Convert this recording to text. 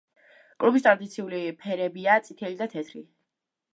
კლუბის ტრადიციული ფერებია წითელი და თეთრი.